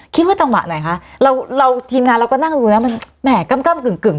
คิดว่าจังหวะไหนคะเราเราทีมงานเราก็นั่งดูแล้วมันแหม่กล้ามกล้ามกึ่งกึ่ง